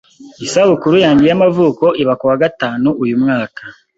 Isabukuru yanjye y'amavuko iba kuwa gatanu uyu mwaka.